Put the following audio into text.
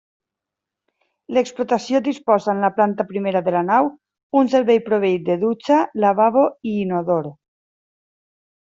L'explotació disposa en la planta primera de la nau un servei proveït de dutxa, lavabo i inodor.